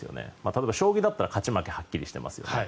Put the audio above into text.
例えば将棋だったら勝ち負けがはっきりしていますよね。